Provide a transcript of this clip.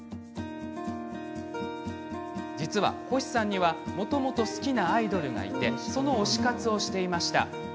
実は星さんには、もともと好きなアイドルがいてその推し活をしていました。